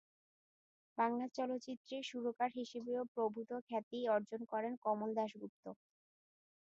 বাংলা চলচ্চিত্রের সুরকার হিসেবেও প্রভূত খ্যাতি অর্জন করেন কমল দাশগুপ্ত।